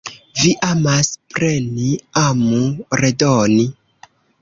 Vi amas preni, amu redoni.